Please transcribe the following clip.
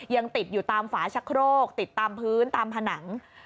ยังติดอยู่ตามฝาชะโครกติดตามพื้นตามผนัง